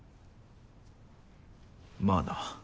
まあな。